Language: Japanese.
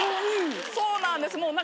そうなんです。